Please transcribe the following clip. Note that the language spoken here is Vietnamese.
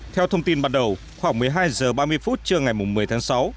theo thông tin ban đầu khoảng một mươi hai h ba mươi phút trưa ngày một mươi tháng sáu